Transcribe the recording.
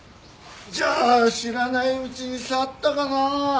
じゃあ知らないうちに触ったかなあ。